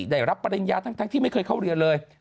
ได้รับปริญญาทั้งที่ไม่เคยเข้าเรียนเลย